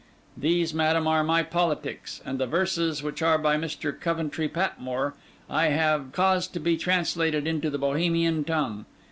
These, madam, are my politics; and the verses, which are by Mr. Coventry Patmore, I have caused to be translated into the Bohemian tongue.